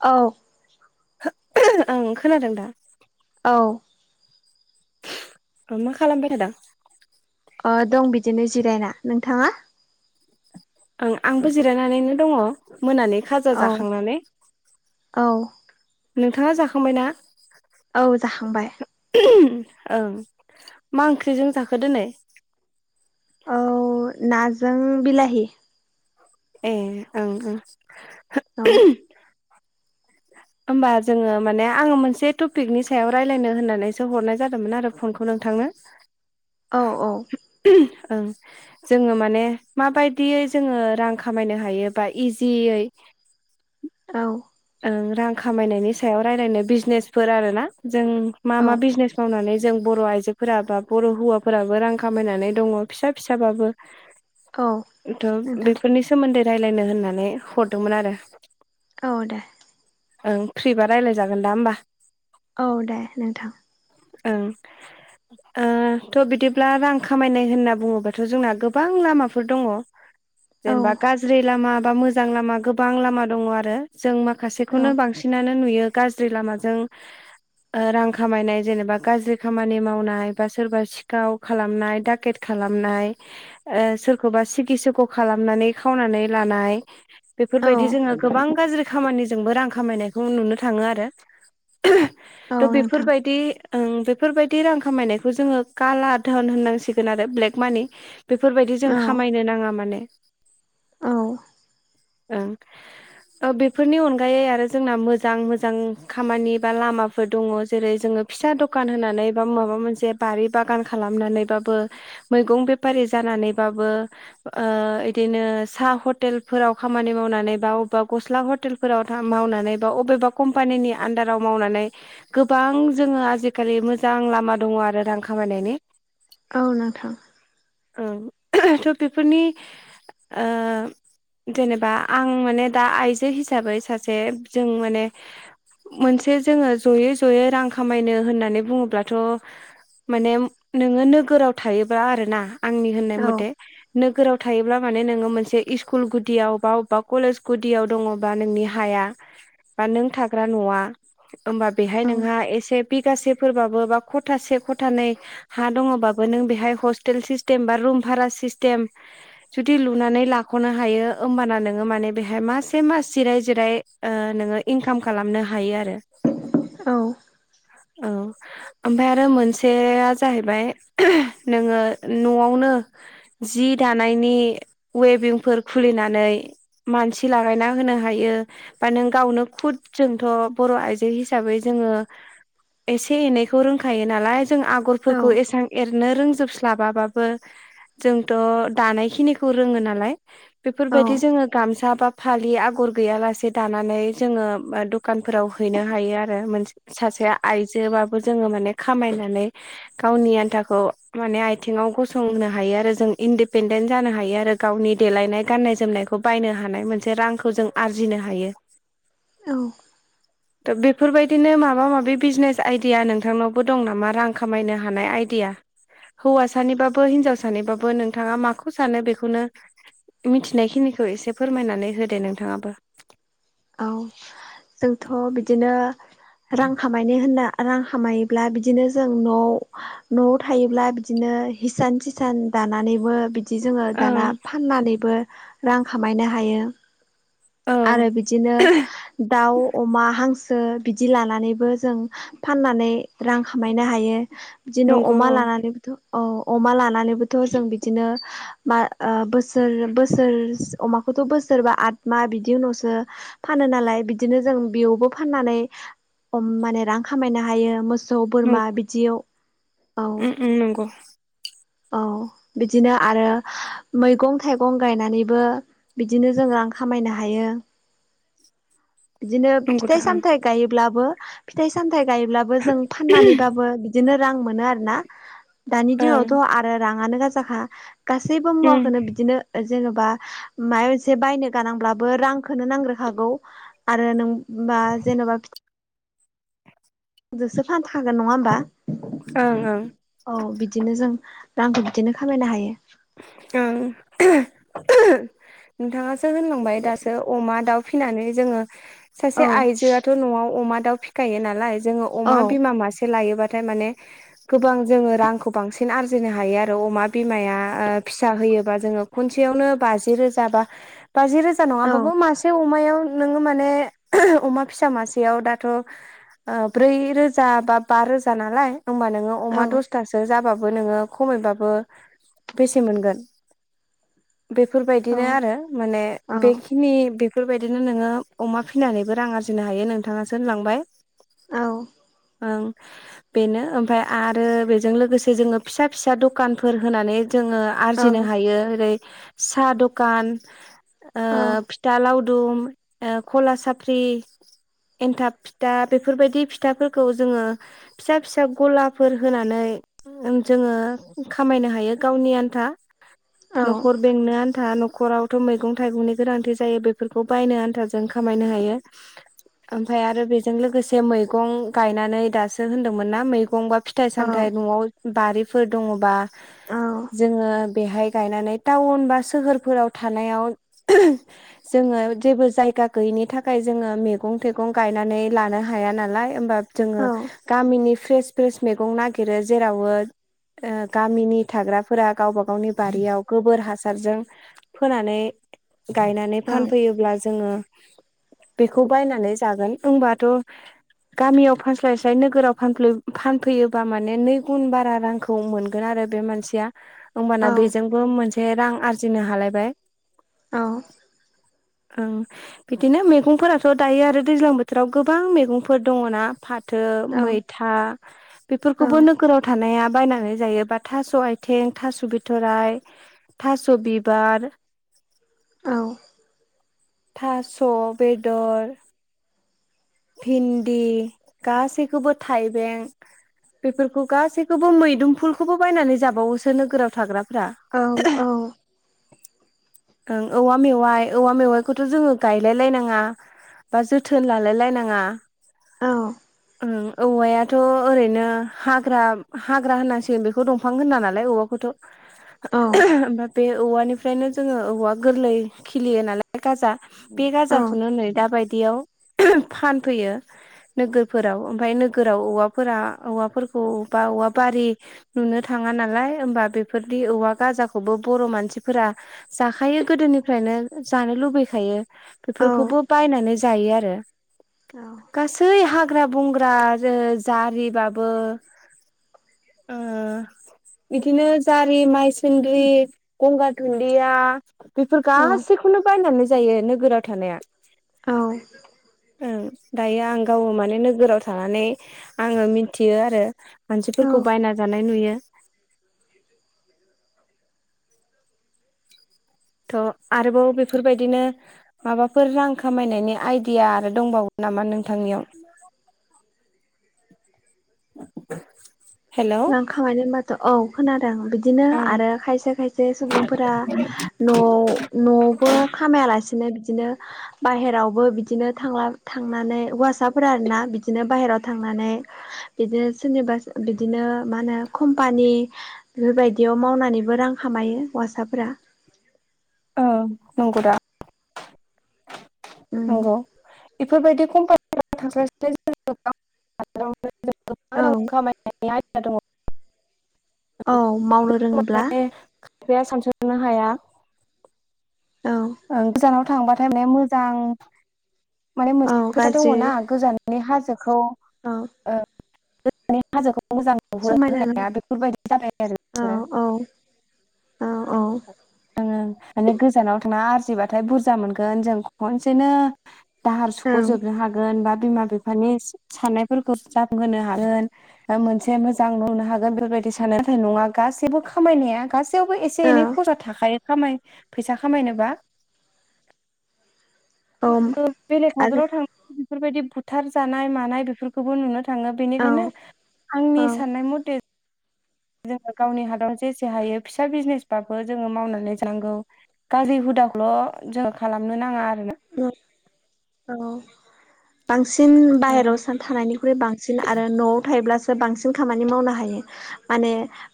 औ ओं खोनादों दा औ अ मा खालामबाय थादों अ दं बिदिनो जिरायना नोंथाङा ओं आंबो जिरायनानैनो दङ मोनानि खाजा औ जाखांनानै औ नोंथाङा जाखांबाय ना औ जाखांबाय ओं मा ओंख्रिजों जाखो दोनै औ नाजों बिलाहि ए ओं औ होमबा जोङो माने आङो मोनसे टपिकनि सायाव राय्लायनो होननानैसो हरनाय जादोंमोन आरो फनखौ नोंथांनो औ औ ओं जोङो माने माबायदियै जोङो रां खामायनो हायोबा इजियै औ ओ रां खामायनायनि सायाव रायलायनो बिजनेसफोर आरो ना जों मा औ मा बिजनेस मावनानै जों बर' आइजोफोर बा बर' हौवाफोराबो रां खामायनानै दङ फिसा फिसाबाबो। औ थ' नोंथां बेफोरनि सोमोन्दै रायलायनो होननानै हरदोंमोन आरो। औ दे। ओं फ्रिबा रायज्लाय जागोन दा होमबा। औ दे नोंथां। ओं। ओ थ' बिदिब्ला रां खामायनाय होनना बुङोबाथ' जोंना गोबां लामाफोर दङ। जेनेबा औ गाज्रि लामा बा मोजां लामा गोबां लामा दङ आरो जों औ माखासेखौनो बांसि नानो नुयो गाज्रि लामाजों ओ रां खामायनाय जेनेबा गाज्रि खामानि मावनाय बा सोरबा सिखाव खालामनाय दाकेट खालामनाय ओ सोरखौबा सिगि सुख' खालामनानै खावनानै लानाय बेफोरबायदि औ जोङो गोबां गाज्रि खामानिजोंबो रां खामायनायखौ नुनो थाङो आरो। औ थ' नोंथां बेफोरबायदि ओं बेफोरबायदि रां खामायनायखौ जोङो काला धोन होननांसिगोन आरो ब्लेक मानि। बेफोरबायदि जों औ खामायनो नाङा माने। औ। ओं ओ बे फोरनि अनगायै आरो जोंना मोजां मोजां खामानि बा लामाफोर दङ जेरै जोङो फिसा दखान होनानै बा माबा मोनसे बारि बागान खालामनानैबाबो मैगं बेफारि जानानैबाबो ओ इदिनो साहा हटेलफोराव खामानि मावनानै बा अबा गस्ला ह हटेलफोराव मावनानै बा बबेबा कम्पानिनि आन्दाराव मावनानै गोबां जोङो आजिखालि मोजां लामा दङ आरो रां खामायनायनि। औ नोंथां। ओं थ' बेफोरनि ओ जेनेबा आं माने दा आइजो हिसा हिसाबै सासे जों माने मोनसे जोङो जयै जयै रां खामायनो होननानै बुङोब्लाथ' माने नोङो नोगोराव थायोब्लाा आरोना आंनि होननाय औ मथे नोगोराव थायोब्ला माने नोङो मोनसे इस्कुल गुदियाव बबा अबेबा कलेज गुदियाव दङ बा नोंनि हाया बा नों थाग्रा न'आ होमबा बेहाय औ नोंहा एसे बिगासेफोरबाबो बा खथासे खथानै हा दङबाबो नों बेहाय हस्टेल सिस्टेम बा रुम भारा सिस्टेम जुदि लुनानै लाख'नो हायो ओमबाना नोङो माने बेहाय मासे मास जिराय जिराय ओ नोङो इंकाम खालामनो हायो आरो। औ। औ। ओमाफाय आरो मोनसेया जाहैबाय नोङो न'आवनो जि दानायनि वेबिंफोर खुलिनानै मानसि लागायना होनो हायो बा नों गावनो खुद जोंथ' बर' आइजो हिसाबै जोङो एसे एनैखौ रोंखायो नालाय जों औ आगरफोरखौ एसबां एरनो रोंजोब स्लाबाबाबो जोंथ' दानायखिनिखौ रोङो नालाय। बेफोरबायदि जोङो गामसा बा फालि आगर गैयालासे दानानै जोङो दखानफोराव हैनो हायो आरो मोनसे सासे आयजोबाबो जोङो माने खामायनानै गावनि आन्थाखौ माने आथिङाव गसंनो हायो आरो जों इन्डिपेडेन्ट जानो हायो आरो गावनि देलायनाय गान्नाय जोमनायखौ बायनो हानाय मोनसे रांखौ जों आरजिनो हायो। औ। [inaudible] दा बेफोरबायदिनो माबा माबि बिजनेस आइदिया नोंथांनावबो दं नामा रां खामायनो हानाय आइडिया? हौवाासानिबाबो हिनजावसानिबाबो नोंथाङा माखौ सानो बेखौनो मिथिनायखिनिखो एसे फोरमायनानै होदो नोंथाङाबो। औ जोंथ' बिदिनो रां खामायनो होनना रां खामायोब्ला बिदिनो जों न'आव न'आव थायोब्ला बिदिनो हिसान सिसान दानानैबो बिदि बिदि जोङो दाना ओं फाननानैबो रां खामायनो हायो औ आरो बि दाउ अमा हांसो बिदि लानानैबो जों फाननानै रां खामायनो हायो बिदिनो नंगौ अमा औ लानानै औ अमा लानानैबोथ' जों बिदिनो मा ओ बोसोर बोसोर अमाखौथ' बोसोरबा आद मा बिदि उनावसो फानो नालाय बिदिनो जों बेयावबो फाननानै माने रां खामायनो हायो मस मोसौ नं बोरमा बिदियाव औ उम उम नंगौ औ बिदिनो आरो मैगं थाइगं गायनानैबो बिदिनो जोङो रां खामायनो हायो। बिदिनो नंगौ दा फिथाइ ओं सामथायाइ गायोब्लाबो फिथाइ सामथाय गायोब्लाबो जों फाननानैबाबो बिदिनो रां मोनो आरो ना। दानि ओं दिनावथ' आरो राङानो गाजाखा गासैबो उम मुवाखोनो बिदिनो ओ जेन'बा माबा मोनसे बायनो गानांब्लाबो रांखोनो नांग्रोखागौ। आरो नों बा जेन'बा जोंसो फान थागोन नङा होमबा। ओं ओं। औ बिदिनो जों आंखौ बिदिनो खामायनो हायो। ओं। नोंथाङासो होनलांबाय दासो अमा दाउ फिनानै जोङो सासे रां आयजोआथ' न'आव अमा दाउ फिखायो नालाय जोङो अमा बिमा मासे लायोबाथाय माने गोबां जोङो रांखौ बांसिन आरजिनो हायो आरो अमा बिमाया फिसा होयोबा जोङो खनसेयावनो बाजि रोजा बा बाजि रोजा नङाबाबो मासे अमायाव नोङो माने अमा फिसा मासेयाव दाथ' ओ ब्रै रोजा बा बा रोजा नालाय ओमबा नोङो अ अमा दसथासो जाबाबो नोङो खमैबाबो बेसे मोनगोन बेफोरबायदिनो आरो माने बेखिनि बेफ बेफोरबायदिनो नोङो अमा फिनानैबो रां आरजिनो हायो नोंथाङासो होनलांबाय ओं। बेनो ओमफफ्राय आरो बेजों लोगोसे जोङो फिसा फिसा दखानफोर होनानै जोङो आरजिनो हायो ओरै साह दकान ओ फिथ फिथा लावदुम ओ खला साफ्रि एन्थाब फिथा बेफोरबायदि फिथाफोरखौ जोङो फिसा फिसा गलाफोर होनानै जोङो खामायनो हायो। गावनि आन्था न'खर बेंनो आन्था न'खराव थ' मैगं थाइगंनि गोनांथि जायो बेफोरखौ बायनो आन्थाजों खामायनो हायो। ओमफफ्राय आरो बेजों लोगोसे मैगं गायनानै दासो होन्दोंमोन ना मैगं बा फिथाइ सामथाइ न'आव बारिफोर दङ'बा जोङो बेहाय गायनानै टाउन बा सोहोरफोराव थानायाव जोङो जेबो जायगा गैयैनि थाखाय जोङो मेगं थाइगं गायनानै लानो हाया नालाय ओमबा जोङो गामिनि फ्रेस फ्रेस मैगं नागिरो जेरावबो ओ गामिनि थाग्राफोरा गावबा गावनि बारियाव गोबोर हासारजों फोनानै गायनानै फानफैयोब्ला जोङो बेखौ बायनानै जागोन होनबाथ' गामियाव फानस्लायस्लाय नोगोराव फानफ्लै- फानफैयोबा माने नै गुन बारा रां खौ मोनगोन आरो बे मानस सिया ओमबाना बेजोंबो मोनसे रां आरजिनो हालायबाय औ [inaudible] ओं बिदिनो मैगंफोराथ' दायो आरो दैज्लां बोथोराव गोबां मेगंफोर दङ'ना फाथ थो मैथा बेफोरखौबो नोगोराव थानाया बायनानै जायो बा थास' आय थें थास' बिथ'राय थास' बिबार औ थास' बेदर भिन्दि गासैखौबो थाइबें बेफोरखौ गासैखौबो मैदुमफुलखौबो बायनानै जाबावोसो नोगोराव थाग्राफोरा औ औ ओं औवा मेवाइ औवा मेवाइखौथ' जोङो गायलाय लायनाङा बा जोथोन लालाय लायनाङा औ ओं औवायाथ' ओरैनो हाग्रा हाग्रा होननांसिगोन बेखौ दंफां होना नालाय औवाखौथ' ओफ्राय बे औवानिफ्रायनो जोङो औवा गोरलै खिलियो नालाय गाजा बे गाजाखौनो नै दाबायदियाव फानफैयो नोगोरफोराव ओमफाय नोगोराव औवाफोरा औवाफोरखौ बा औवा बारि नुनो थाङा नालाय ओमबा बेफोरनि औवा गाजाखौबो बर' मानसिफोरा जाखायो गोदोनिफ्रायनो जानो लुबैखायो बेफोरखौबो बायनानै जायो आरो औ गासै हाग्रा बंग्रा रो जारिबाबो ओ बिदिनो जारि माइ संग्रि गंगार दुन्दिया बेफोर गासैखौनो बायनानै जायो नोगोराव थानाया औ ओं दायो आं गाव माने नोगोराव थानानै आङो मिथियो आरो मानसिफोरखौ बायना जानाय नुयो [inaudible] थ' आरोबाव बेफोरबायदिनो माबाफोर रां खामायनायनि आइदिया आरो दंबावो नामा नोंथांनियाव हेलौ खामायनो होनबाथ' औ खोनादों बिदिनो ओं आरो खायसे खायसे सुबुंफोरा न'आव न'आवबो खामायालासिनो बिदिनो बाहेरावबो बिदिनो थांला थांनानै हौवासाफोरा आरोना बिदिनो बाहेरायाव थांनानै बिदिनो जेनेबा बिद बिदिनो मा होनो कम्पानि बेफोरबायदियाव मावनानैबो रां खामायो हौवासाफोरा औ नंगौदा उम नंगौ बेफोरबायदि कम्पानिफोराव थांस्लाय साय जोङो गाव [unintelligible] जों औ गोबां रां खामायनायनि आइदिआ दङ औ मावनो रोङोब्ला बिफाया सानस'नो हाया औ ओं गोजानाव थांबाथाय माने मोजां माने औ मोनसे खोथा दङ गाज्रि ना गोजाननि हाजोखौ औ ओ माने हाजोखौ मोजां नुहरो समायना होनाया बेफोरबायदि जाबाय आरो औ बिसरो औ औ औ। माने गोजानाव थाङा आरजिब्लााथाय बुरजा मोनगोन जों खनसेनो दाहार औ सुख'जोबनो हागोन बा बिमा बिफानि सा-साननायफोरखौ जाफुंहोनो हा ओन ओ मोनसे मोजां न' नो हागोन बेफोरबायदि सानो नाथाय नङा गासैबो खामायनाया गसै सैयावबो एसे एनै औ खसा थाखायो खाम फैसा खामायनोबा। औ ओ बेलेग आरो हादराव थांनानै बेफोरबायदि बुथार जानाय मानाय बेफोरखौबो नुनो थाङो औ बेनिखायनो आंनि औ साननाय मथे जोङो गावनि हादराव जेसे हायो फिसा बिजनेसबाबो जोङो मावनानै जांगौ। गाज्रि हुदाखौल' जोङो खालामनो नाङा आरोना। ओ औ। बांसिन बाहेरायाव ओं सान थानायनिख्रुइ बांसिन आरो न'आव थायोब्ला बांसिन खामानि मावनो हायो माने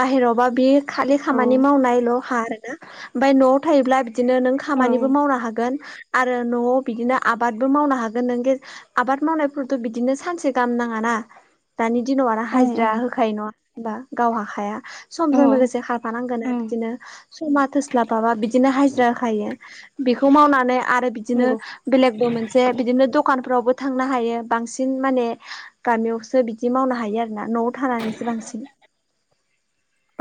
बाहेरावबा बि खालि औ खामानि मावनायल' खा आरो ना ओमफ्राय न'आव थायोब्ला बिदिनो नों खामानिबो ओं मावनो हागोन आरो न'आव बिदिनो आबादबो मावनो हागोन नों आबाद मावनायफोरथ' बिदिनो सानसे गाहाम नाङा ना। दानि दिनाव आरो हाजिरा ओं होखायो नङा होनबा गाव हाखाया। समजों लोगोसे खारफानांगोन औ आरो बिदिनो समा थोस्लाबाबा बिदिनो हाजिरा होखायो बेखौ मावनानै आरो बिदिनो नंगौ बेलेगबो मोनसे बिदिनो दखानफ्रावबो थांनो हायो बांसिन माने गामियावसो बिदि मावनो हायो आरोना न'आव थानानैसो बांसिन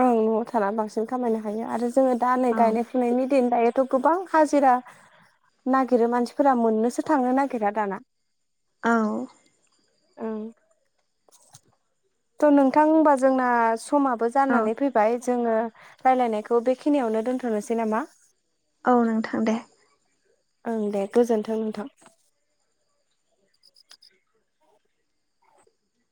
ओं न'आव थानानै बांसिन खामायनो हायो आरो जोङो दा नै औ गायनाय फुनायनि दिन दायो थ' गोबां हाजिरा नागिरो मानसिफोरा मोननोसो थांनो नागिरा दाना। औ ओं [inaudible] थ' नोंथां होनबा जोंना समाबो औ जानानै फैबाय जोङो राय्लायनायखौ बेखिनियावनो दोनथ'नोसै नामा? औ नोंथां दे। ओं दे गोजोन्थों नोंथां।